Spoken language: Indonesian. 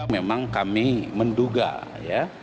memang kami menduga ya